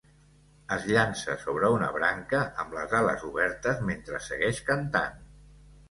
Es llança sobre una branca amb les ales obertes mentre segueix cantant.